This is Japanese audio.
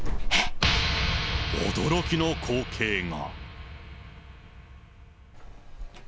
驚きの光景が。